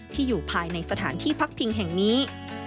อยู่ภายในสถานที่พักพิงแห่งนี้